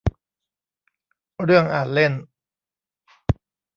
เรื่องอ่านเล่น